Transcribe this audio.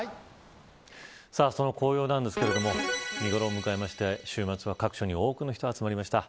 さあ、この紅葉なんですけど見頃を迎えまして週末は各所に多くの人が集まりました。